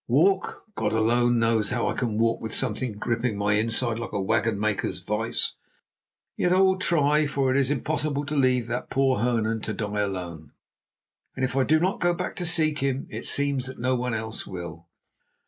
"Walk! God alone knows how I can walk with something gripping my inside like a wagon maker's vice. Yet I will try, for it is impossible to leave that poor Hernan to die alone; and if I do not go to seek him, it seems that no one else will."